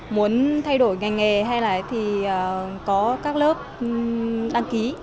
muốn thay đổi ngành nghề hay là thì có các lớp đăng ký